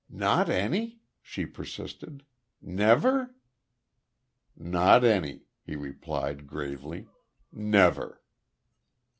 "Not any?" she persisted. "Never?" "Not any," he replied, gravely. "Never."